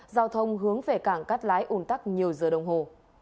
giao thông hướng về cảng cắt lái ủn tắc nhiều giờ đồng hồ